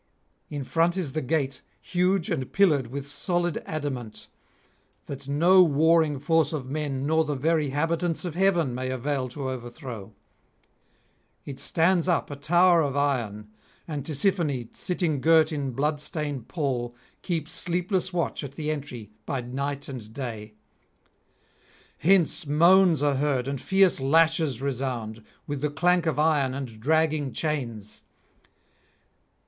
In front is the gate, huge and pillared with solid adamant, that no warring force of men nor the very habitants of heaven may avail to overthrow; it stands up a tower of iron, and Tisiphone sitting girt in bloodstained pall keeps sleepless watch at the entry by night and day. Hence moans are heard and fierce lashes resound, with the clank of iron and dragging chains.